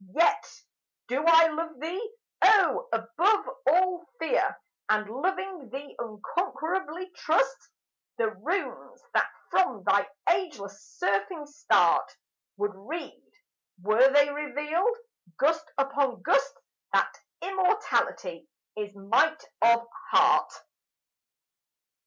Yet do I love thee, O, above all fear, And loving thee unconquerably trust The runes that from thy ageless surfing start Would read, were they revealed, gust upon gust, That Immortality is might of heart!